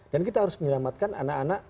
dan kita harus menyelamatkan anak anak